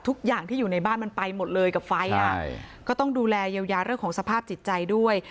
ทุกอย่างที่อยู่ในบ้านมันไปหมดเลยกับไฟอ่ะใช่ก็ต้องดูแลเยียวยาเรื่องของสภาพจิตใจด้วย